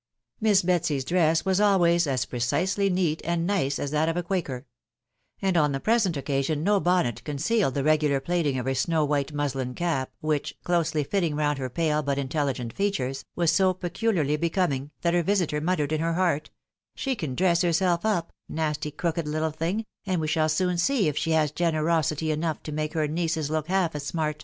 Miss Betsy's dress was always as precisely neat and nice as that of a qmaker ; and on the present occasion no bonnet con cealed the regular plaiting of her snow white muslin cap, which, closely fitting round her pale but intelligent features, was so peculiarly becoming, that her visiter muttered in her heart, " She can dress herself up, nasty crooked little thing, Mod we shall soon see if the has gpwcraft^ tatfsvx^^^^fe Met afecee look half as smart.'